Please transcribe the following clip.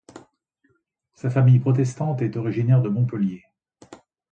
Sa famille protestante est originaire de Montpellier.